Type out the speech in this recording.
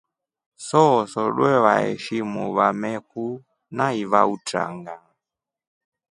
Sooso dwevaeshimu wameku na iva utranga.